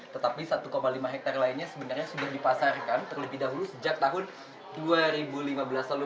tetapi satu lima hektare lainnya sebenarnya sudah dipasarkan terlebih dahulu sejak tahun dua ribu lima belas lalu